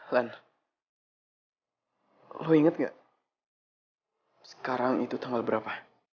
lan lo inget gak sekarang itu tanggal berapa